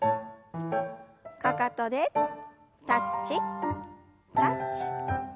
かかとでタッチタッチ。